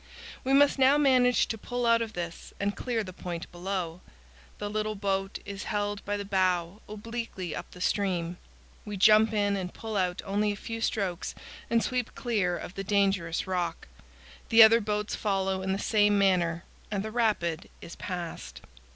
We must now manage to pull out of this and clear the point below. The little boat is held by the bow obliquely up the stream. We jump in and pull out only a few strokes, and sweep clear of the dangerous rock. The other boats follow in the same manner and the rapid is passed.